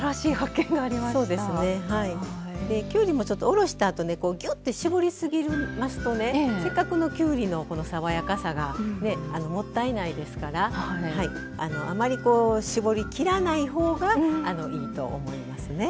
できゅうりもちょっとおろしたあとねぎゅって絞りすぎるますとねせっかくのきゅうりの爽やかさがねえもったいないですからあまりこう絞りきらない方がいいと思いますね。